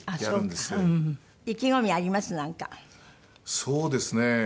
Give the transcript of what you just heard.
そうですね。